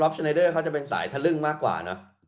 ก็ก็ชะเงินเขาจะเป็นสายทะลึ่งมากกว่าเนอะ